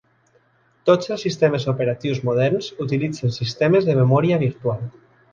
Tots els sistemes operatius moderns utilitzen sistemes de memòria virtual.